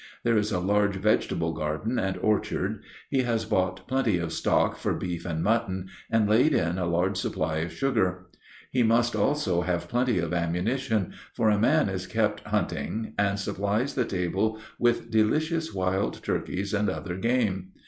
There is a large vegetable garden and orchard; he has bought plenty of stock for beef and mutton, and laid in a large supply of sugar. He must also have plenty of ammunition, for a man is kept hunting and supplies the table with delicious wild turkeys and other game.